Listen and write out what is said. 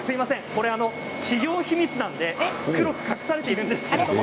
これ企業秘密なので黒く隠されているんです。